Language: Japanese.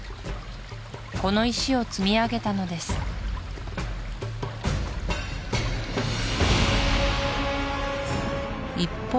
この石を積み上げたのです一方